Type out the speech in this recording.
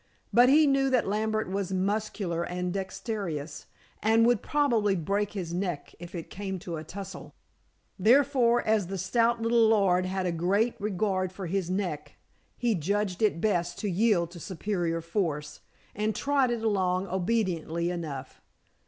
But he knew that Lambert was muscular and dexterous, and would probably break his neck if it came to a tussle. Therefore, as the stout little lord had a great regard for his neck, he judged it best to yield to superior force, and trotted along obediently enough.